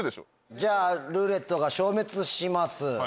じゃあ「ルーレット」が消滅します。